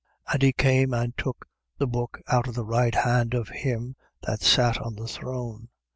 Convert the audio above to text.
5:7. And he came and took the book out of the right hand of him that sat on the throne.